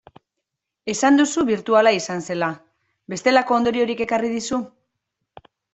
Esan duzu birtuala izan zela, bestelako ondoriorik ekarri dizu?